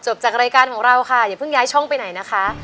จากรายการของเราค่ะอย่าเพิ่งย้ายช่องไปไหนนะคะ